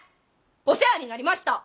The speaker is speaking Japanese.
お世話になりました。